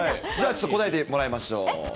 ちょっと答えてもらいましょう。